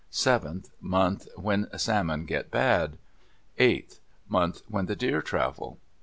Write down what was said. Seventh.—Month when salmon get bad. Eighth.—Month when the deer travel.